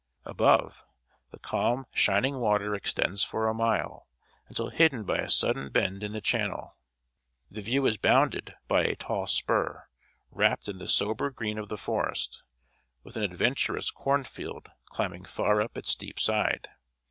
Above, the calm, shining water extends for a mile, until hidden by a sudden bend in the channel. The view is bounded by a tall spur, wrapped in the sober green of the forest, with an adventurous corn field climbing far up its steep side.